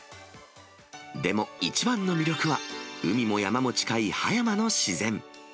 でも、一番の魅力は、海も山も近い葉山の自然。